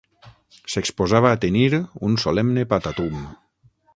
S'exposava a tenir un solemne patatum.